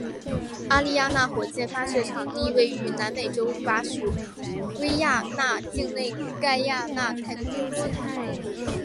阿丽亚娜火箭发射场地位于南美洲法属圭亚那境内盖亚那太空中心。